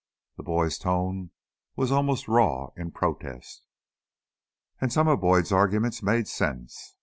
The boy's tone was almost raw in protest. And some of Boyd's argument made sense.